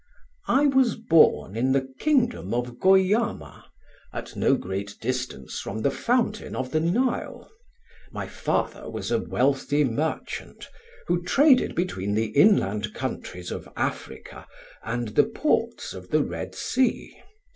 "I was born in the kingdom of Goiama, at no great distance from the fountain of the Nile. My father was a wealthy merchant, who traded between the inland countries of Africa and the ports of the Red Sea.